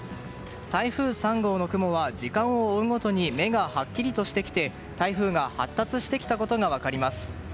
台風３号の雲は時間を追うごとに目がはっきりとしてきて台風が発達してきたことが分かります。